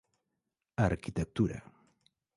Arquitectura